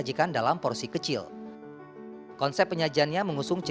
ruang sukarno dikatakan sebagai ruang utama